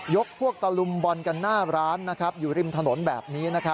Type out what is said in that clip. พวกตะลุมบอลกันหน้าร้านอยู่ริมถนนแบบนี้